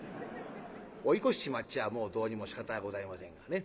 追い越しちまっちゃあもうどうにもしかたがございませんがね。